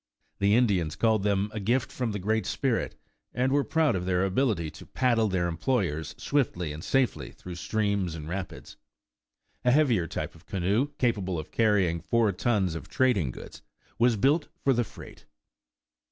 The Indians called them a gift from the Great Spirit, and were proud of their ability to paddle their employers swiftly and safely through streams and rapids. A heavier type of ca noe, capable of carrying four tons of trading goods, was built for the freight.